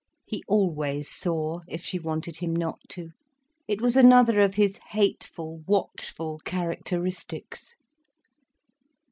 He always saw, if she wanted him not to. It was another of his hateful, watchful characteristics.